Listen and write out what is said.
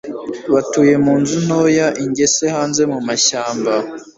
batuye munzu ntoya, ingese hanze mumashyamba